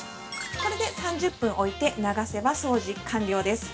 これで３０分置いて、流せば掃除完了です。